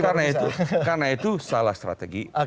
karena itu salah strategi